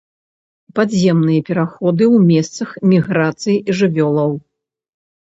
Падземныя пераходы ў месцах міграцый жывёлаў.